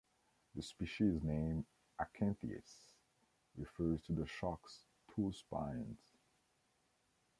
The species name "acanthias" refers to the shark's two spines.